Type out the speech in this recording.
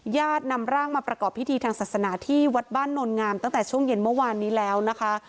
ญาตินำร่างมาประกอบพิธีทางศาสนาที่วัดบ้านโนลงามตั้งแต่ช่วงเย็นเมื่อวานนี้แล้วนะคะ